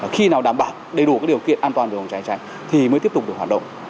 khi nào đảm bảo đầy đủ các điều kiện an toàn về phòng cháy cháy thì mới tiếp tục được hoạt động